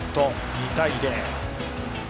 ２対０。